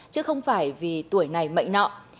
chứ không phải vì tuổi này mạnh năng